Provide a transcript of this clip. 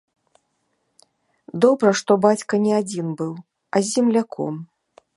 Добра, што бацька не адзін быў, а з земляком.